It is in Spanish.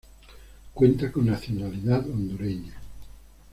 Cuenta con nacionalidad Hondureña.